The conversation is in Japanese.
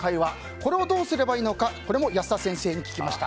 これをどうすればいいのか安田先生に聞きました。